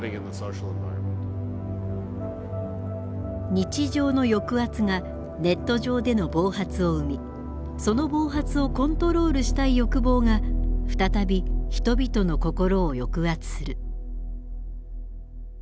日常の抑圧がネット上での暴発を生みその暴発をコントロールしたい欲望が再び人々の心を抑圧する。